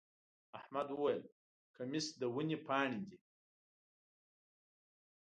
احمد وويل: کمیس د ونې پاڼې دی.